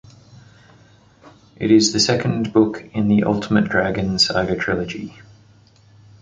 It is the second book in the Ultimate Dragon Saga trilogy.